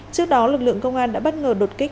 trước đó lực lượng công an đã bất ngờ đột kích